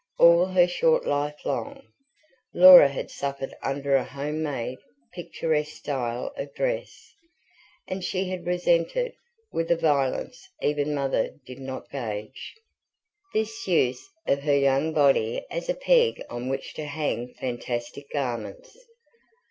All her short life long, Laura had suffered under a home made, picturesque style of dress; and she had resented, with a violence even Mother did not gauge, this use of her young body as a peg on which to hang fantastic garments.